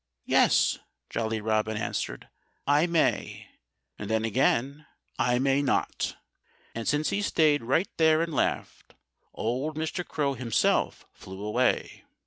"Yes!" Jolly Robin answered. "I may and then again, I may not!" And since he stayed right there and laughed, old Mr. Crow himself flew away.